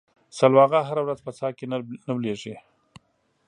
سلواغه هره ورځ په څا کې نه ولېږي.